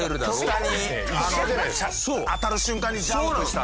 下に当たる瞬間にジャンプしたら？